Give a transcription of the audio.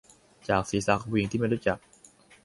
จากศีรษะของผู้หญิงที่ไม่รู้จัก